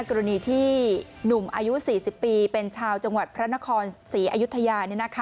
กรณีที่หนุ่มอายุ๔๐ปีเป็นชาวจังหวัดพระนครศรีอยุธยา